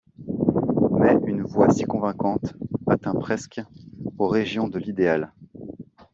Mais une voix si convaincante atteint presque aux régions de l'idéal.